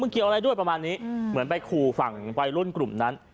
เกี่ยวอะไรด้วยประมาณนี้เหมือนไปขู่ฝั่งวัยรุ่นกลุ่มนั้น